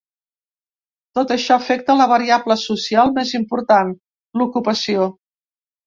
Tot això afecta la variable social més important, l’ocupació.